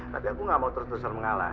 tapi aku gak mau terus terusan mengalah